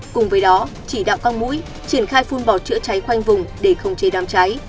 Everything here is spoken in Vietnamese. cùng với đó chỉ đạo con mũi triển khai phun bò chữa cháy khoanh vùng để khống chế đám cháy